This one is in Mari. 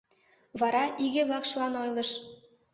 Вара иге-влакшылан ойлыш: